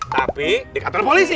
tapi di kantor polisi